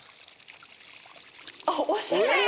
あっおしゃれ！